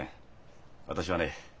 私はね